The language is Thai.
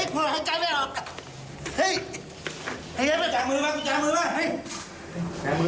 คุณจ้าสู้